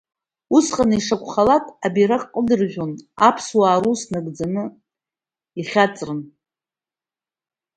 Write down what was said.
Усҟан ишакәхалак абираҟ кыдыржәарын, аԥсуаа рус нагӡан, ихьаҵрын.